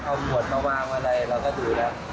เอาขวดมาวางอะไรเราก็ดูแล้ว